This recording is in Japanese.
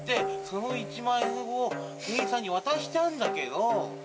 その１万円を店員さんに渡したんだけど。